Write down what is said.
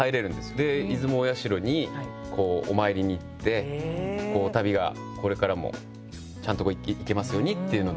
で出雲大社にお参りに行って旅がこれからもちゃんと行けますようにっていうので。